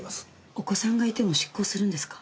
お子さんがいても執行するんですか？